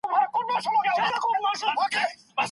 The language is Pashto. کله چې تا ګټه کوله ما هم ګټه کوله.